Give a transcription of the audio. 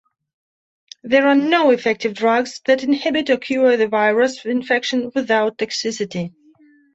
There are no effective drugs that inhibit or cure the virus infection without toxicity.